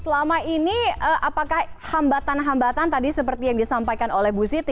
selama ini apakah hambatan hambatan tadi seperti yang disampaikan oleh bu siti